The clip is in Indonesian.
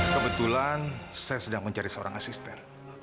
kebetulan saya sedang mencari seorang asisten